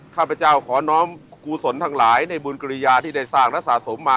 ข้าพเจ้าขอน้องกุศลทั้งหลายในบุญกริยาที่ได้สร้างและสะสมมา